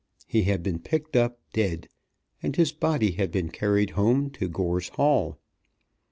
He had been picked up dead, and his body had been carried home to Gorse Hall.